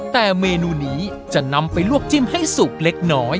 แต่เมนูนี้จะนำไปลวกจิ้มให้สุกเล็กน้อย